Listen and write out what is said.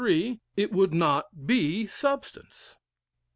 three,) it would not be substance.